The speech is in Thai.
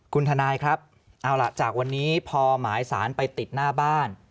คุณทนายครับเอาล่ะจากวันนี้พอหมายสารไปติดหน้าบ้าน